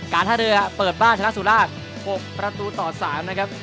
การท่าเรือเปิดบ้านฉะนั้นสวินล่า๖ประตูต่อ๓นะครับ